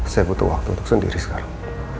saya butuh waktu untuk sendiri sekarang